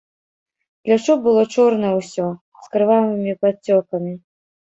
Плячо было чорнае ўсё, з крывавымі падцёкамі.